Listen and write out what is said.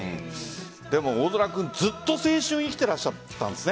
大空君、ずっと青春生きてらっしゃったんですね。